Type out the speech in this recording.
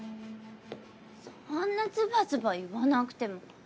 そんなズバズバ言わなくても。